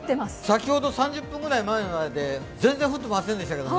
先ほど３０分ぐらい前まで全然降ってませんでしたけどね。